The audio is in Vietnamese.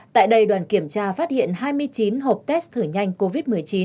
tại đây đoàn kiểm tra phát hiện hai mươi chín hộp test thử nhanh covid một mươi chín